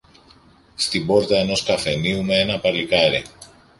στην πόρτα ενός καφενείου μ' ένα παλικάρι.